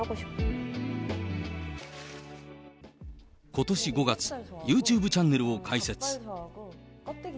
ことし５月、ユーチューブチャンネルを開設。